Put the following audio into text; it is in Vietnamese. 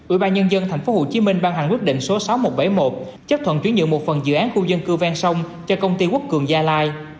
ủy ban nhân dân tp hcm ban hành quyết định số sáu nghìn một trăm bảy mươi một chấp thuận chuyển nhượng một phần dự án khu dân cư ven sông cho công ty quốc cường gia lai